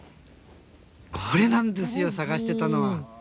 これなんですよ、探してたのは。